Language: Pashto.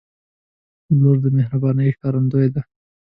• لور د مهربانۍ ښکارندوی ده.